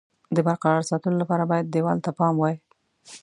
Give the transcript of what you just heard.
د برقرار ساتلو لپاره باید دېوال ته پام وای.